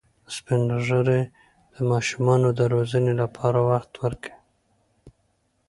سپین ږیری د ماشومانو د روزنې لپاره وخت ورکوي